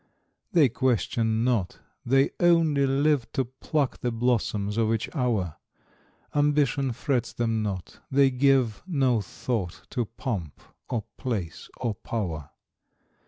They question not, they only live To pluck the blossoms of each hour. Ambition frets them not, they give No thought to pomp or place or power.